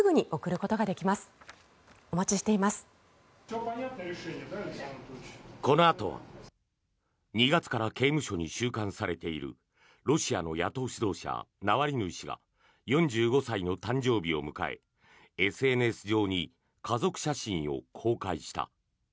このあとは２月から刑務所に収監されているロシアの野党指導者ナワリヌイ氏が４５歳の誕生日を迎えＳＮＳ上に家族写真を公開した。